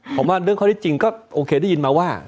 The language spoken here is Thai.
ผมว่าเรื่องข้อที่จริงก็โอเคได้ยินมาว่า